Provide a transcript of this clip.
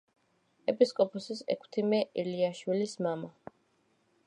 ეპისკოპოს ექვთიმე ელიაშვილის მამა.